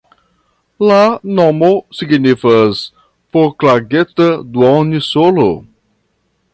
La nomo signifas "Foklageta-duoninsolo".